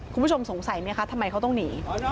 คุณผู้ชมสงสัยไหมคะทำไมเขาต้องหนี